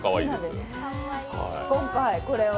今回、これを。